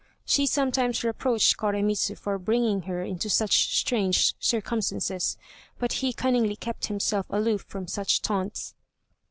She sometimes reproached Koremitz for bringing her into such strange circumstances. But he cunningly kept himself aloof from such taunts.